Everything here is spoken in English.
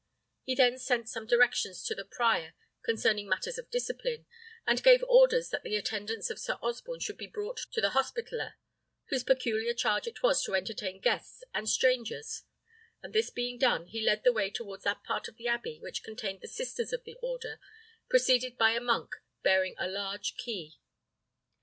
He then sent some directions to the prior concerning matters of discipline, and gave orders that the attendants of Sir Osborne should be brought to the hospitaler, whose peculiar charge it was to entertain guests and strangers; and this being done, he led the way towards that part of the abbey which contained the sisters of the order, preceded by a monk bearing a large key.